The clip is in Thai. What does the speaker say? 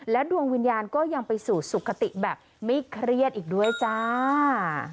ดวงวิญญาณก็ยังไปสู่สุขติแบบไม่เครียดอีกด้วยจ้า